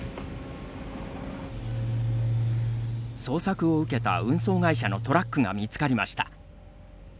捜索を受けた運送会社のトラックが見つかりました。